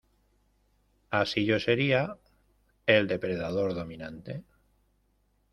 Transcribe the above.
Así, yo sería... El depredador dominante .